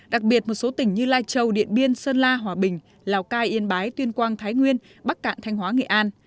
đặc biệt một số tỉnh như lai châu điện biên sơn la hòa bình lào cai yên bái tuyên quang thái nguyên bắc cạn thanh hóa nghệ an